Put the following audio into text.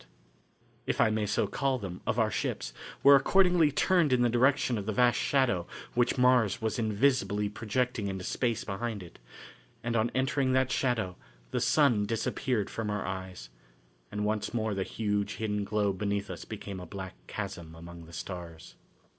The prows, if I may so call them, of our ships were accordingly turned in the direction of the vast shadow which Mars was invisibly projecting into space behind it, and on entering that shadow the sun disappeared from our eyes, and once more the huge hidden globe beneath us became a black chasm among the stars.